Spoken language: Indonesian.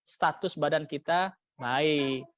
status badan kita baik